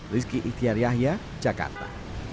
rizky ityaryahya jakarta